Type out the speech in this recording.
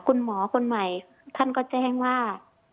คุณหมอคนใหม่ท่านก็แจ้งว่า